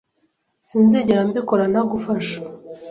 Sinzigera mbikora ntagufasha.